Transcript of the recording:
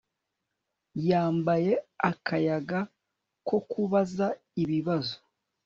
Yambaye akayaga ko kubaza ibibazo